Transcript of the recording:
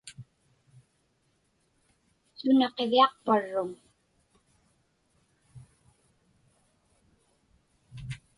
Suna qiviaqparruŋ?